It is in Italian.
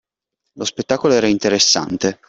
Lo spettacolo era interessante.